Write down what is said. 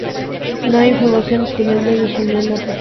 No hay información disponible de su unión a proteínas.